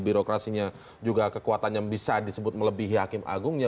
birokrasinya juga kekuatannya bisa disebut melebihi hakim agungnya